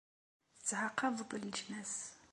Tettɛaqabeḍ leǧnas.